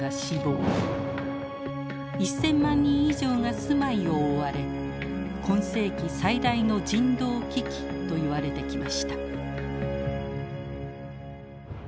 １，０００万人以上が住まいを追われ今世紀最大の人道危機といわれてきました。